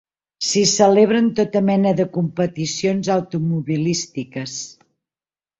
S'hi celebren tota mena de competicions automobilístiques.